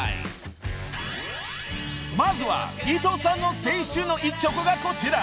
［まずは伊藤さんの青春の一曲がこちら］